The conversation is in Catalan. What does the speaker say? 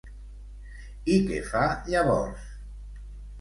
I què fa llavors?